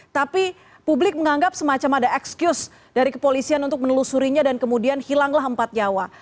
tapi publik menganggap semacam ada eksklus dari kepolisian untuk menelusurinya dan kemudian hilanglah empat nyawa